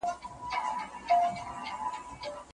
ډېر خوږ خوراکونه ژر خرابېږي.